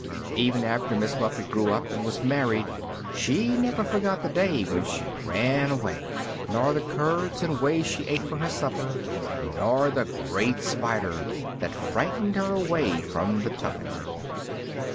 Even after Miss Muffet grew up and was married she never forgot the day that she ran away, nor the curds and whey she ate for her supper, nor the great spider that frightened her away from the tuffet.